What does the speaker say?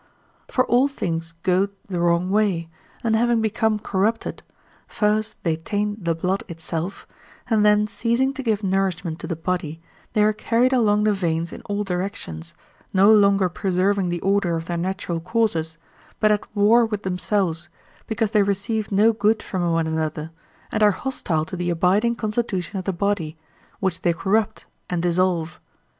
For all things go the wrong way, and having become corrupted, first they taint the blood itself, and then ceasing to give nourishment to the body they are carried along the veins in all directions, no longer preserving the order of their natural courses, but at war with themselves, because they receive no good from one another, and are hostile to the abiding constitution of the body, which they corrupt and dissolve.